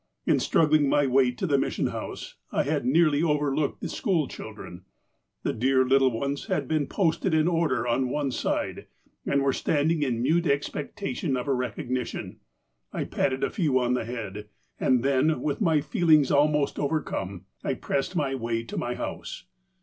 In struggling my way to the Mission House, I had nearly overlooked the school children. The dear little ones had been posted in order, on one side, and were standing in mute expectation of a recognition. I patted a few on the head, and then, with my feelings almost overcome, I pressed my way to my house.